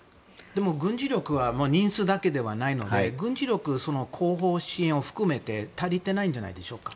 でも軍事力は人数だけではないので後方支援を含めて軍事力は足りてないんじゃないでしょうか。